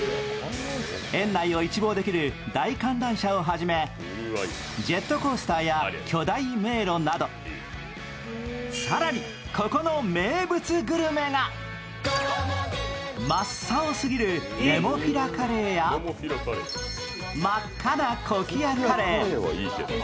園内を一望できる大観覧車をはじめ、ジェットコースターや巨大迷路など更に、ここの名物グルメが、真っ青すぎるネモフィラカレーや真っ赤なコキアカレー。